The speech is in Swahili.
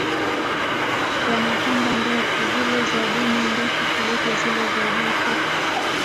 Wana pamba ndefu, zile za dume ndefu kuliko zile za jike.